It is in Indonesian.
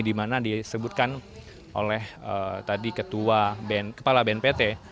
dimana disebutkan oleh tadi ketua kepala bnpt